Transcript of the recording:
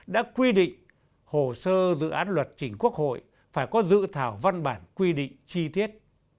đã quy định hồ sơ dự án luật chỉnh quốc hội phải có dự thảo văn bản quy định chi tiết